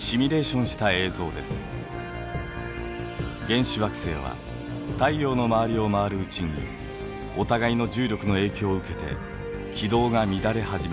原始惑星は太陽の周りを回るうちにお互いの重力の影響を受けて軌道が乱れ始めます。